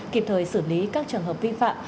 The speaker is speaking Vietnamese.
kịp thời xử lý các trường hợp vi phạm